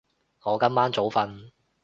我今晚早瞓